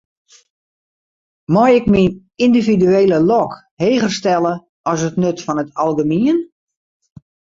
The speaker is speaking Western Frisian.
Mei ik myn yndividuele lok heger stelle as it nut fan it algemien?